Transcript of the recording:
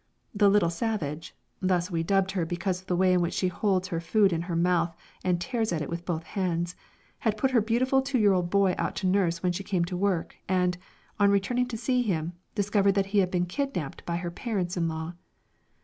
"The Little Savage" (thus we dubbed her because of the way in which she holds her food in her mouth and tears at it with both hands) had put her beautiful two year old boy out to nurse when she came to work, and, on returning to see him, discovered that he had been kidnapped by her parents in law.